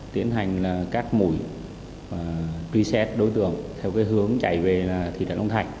tiến hành các mũi truy xét đối tượng theo hướng chạy về thị trấn long thạnh